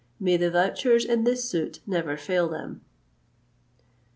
May the vouchers in this suit never fail them!